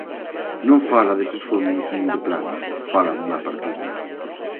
Non fala deses fondos nin de plans, fala dunha partida.